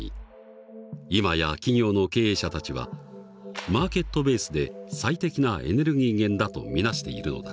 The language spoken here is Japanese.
今や企業の経営者たちはマーケットベースで最適なエネルギー源だと見なしているのだ。